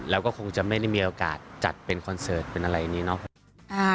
แล้วก็คงจะไม่ได้มีโอกาสจัดเป็นคอนเสิร์ตเป็นอะไรนี้เนาะ